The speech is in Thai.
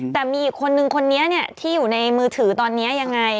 แต่มีอีกคนนึงคนนี้ที่อยู่ในมือถือตอนนี้ยังไง